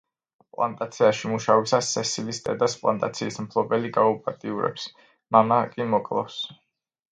პლანტაციაში მუშაობისას სესილის დედას პლანტაციის მფლობელი გააუპატიურებს, მამას კი მოკლავს.